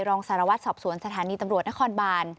รองสารวัตรสอบสวนสถานีตำรวจนครบาน